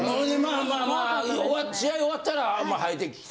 ほんでまあまあ試合終わったら生えてきて。